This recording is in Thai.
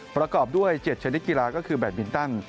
ประกอบด้วย๗ชนิดกีฬาก็คือแบตมินตัน